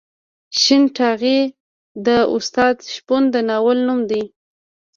شین ټاغی د استاد شپون د ناول نوم دی.